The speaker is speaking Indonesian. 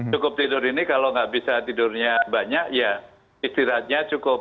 cukup tidur ini kalau nggak bisa tidurnya banyak ya istirahatnya cukup